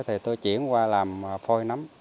thì tôi chuyển qua làm phôi nấm